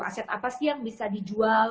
aset apa sih yang bisa dijual